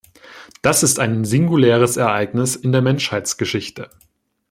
Das ist ein singuläres Ereignis in der Menschheitsgeschichte.